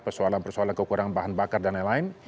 persoalan persoalan kekurangan bahan bakar dan lain lain